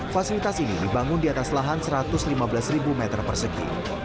fasilitas ini dibangun di atas lahan satu ratus lima belas meter persegi